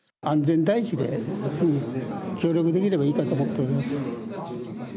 安全第一で協力できればいいかと思ってます。